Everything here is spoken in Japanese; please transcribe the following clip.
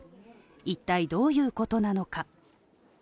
いったいどういうことなのか。